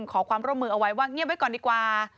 ขอความร่วมมือเอาไว้ว่าเงียบไว้ก่อนดีกว่า